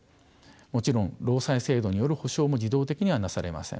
もちろん労災制度による補償も自動的にはなされません。